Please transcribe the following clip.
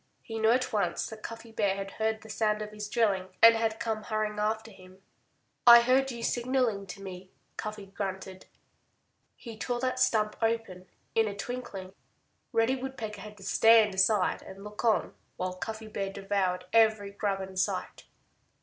He knew at once that Cuffy Bear had heard the sound of his drilling and had come hurrying after him. "I heard you signaling to me," Cuffy grunted. He tore that stump open in a twinkling. Reddy Woodpecker had to stand aside and look on while Cuffy Bear devoured every grub in sight.